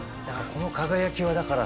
この輝きはだから。